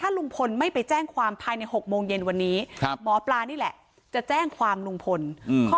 ลุงพลไม่ไปแจ้งความภายในหกโมงเย็นวันนี้ครับหมอปลานี่แหละจะแจ้งความลุงพลอืม